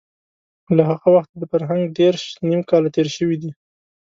له هغه وخته د فرهنګ دېرش نيم کاله تېر شوي دي.